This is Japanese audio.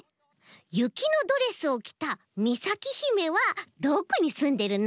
雪のドレスをきたみさきひめはどこにすんでるの？